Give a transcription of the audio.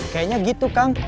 kayaknya gitu kang